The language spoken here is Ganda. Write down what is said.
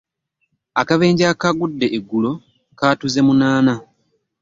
Akabenje akaagudde eggulo kaatuze munaana.